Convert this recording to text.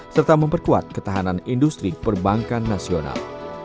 serta memperkuat ketahanan industri perbankan nasional